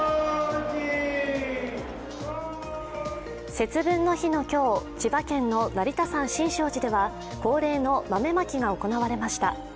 節分の日の今日、千葉県の成田山新勝寺では恒例の豆まきが行われました。